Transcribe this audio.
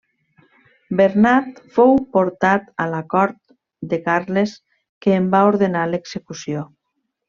Bernat fou portat a la cort de Carles, que en va ordenar l'execució.